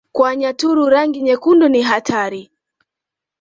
Kwa Wanyaturu rangi nyekundu ni hatari